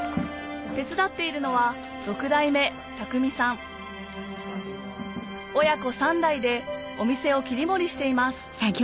手伝っているのは親子３代でお店を切り盛りしています